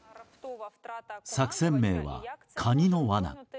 作戦名はカニの罠。